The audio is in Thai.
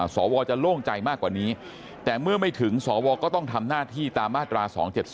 สวจะโล่งใจมากกว่านี้แต่เมื่อไม่ถึงสวก็ต้องทำหน้าที่ตามมาตรา๒๗๒